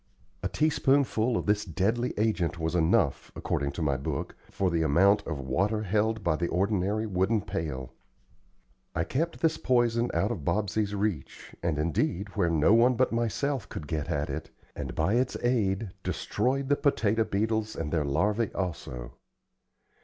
A teaspoonful of this deadly agent was enough, according to my book, for the amount of water held by the ordinary wooden pail. I kept this poison out of Bobsey's reach, and, indeed, where no one but myself could get at it, and, by its aid, destroyed the potato beetles and their larvae also.